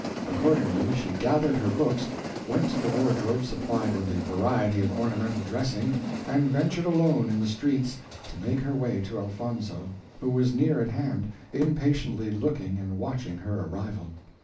Accordingly she gathered her books, went the wardrobe supplied with a variety of ornamental dressing, and ventured alone in the streets to make her way to Elfonzo, who was near at hand, impatiently looking and watching her arrival.